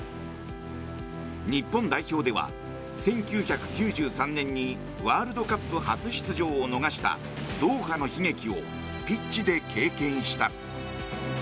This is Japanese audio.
日本代表では、１９９３年にワールドカップ初出場を逃したドーハの悲劇をピッチで経験した。